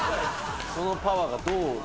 そのパワーがどう。